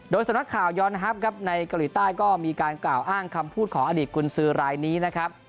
สำนักข่าวยอนฮัพครับในเกาหลีใต้ก็มีการกล่าวอ้างคำพูดของอดีตกุญสือรายนี้นะครับ